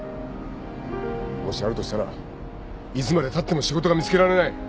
もしあるとしたらいつまでたっても仕事が見つけられない